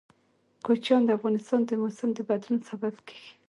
کوچیان د افغانستان د موسم د بدلون سبب کېږي.